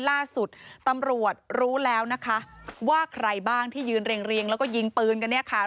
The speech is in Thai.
ล่าสุดตำรวจรู้แล้วนะคะว่าใครบ้างที่ยืนเรียงแล้วก็ยิงปืนกันเนี่ยค่ะ